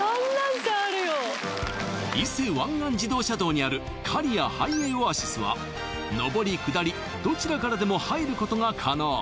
伊勢湾岸自動車道にある刈谷ハイウェイオアシスは上り・下りどちらからでも入ることが可能